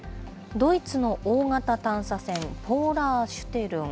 ドイツの大型探査船、ポーラー・シュテルン。